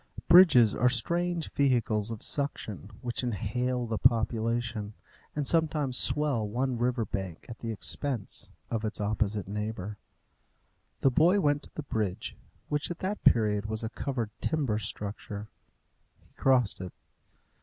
Bridges are strange vehicles of suction, which inhale the population, and sometimes swell one river bank at the expense of its opposite neighbour. The boy went to the bridge, which at that period was a covered timber structure. He crossed it.